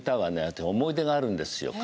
私思い出があるんですよ。